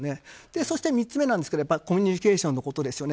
そして３つ目はコミュニケーションのことですよね。